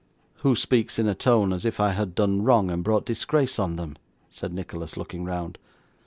'Who speaks in a tone, as if I had done wrong, and brought disgrace on them?' said Nicholas, looking round.